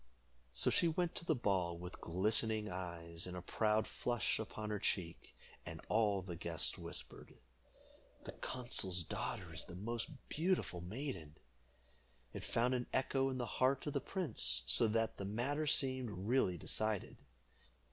So she went to the ball with glistening eyes and a proud flush upon her cheek, and all the guests whispered, "The consul's daughter is the most beautiful maiden." It found an echo in the heart of the prince, so that the matter seemed really decided.